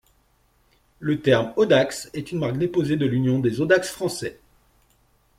Le terme Audax est une marque déposée de l'Union des Audax Français.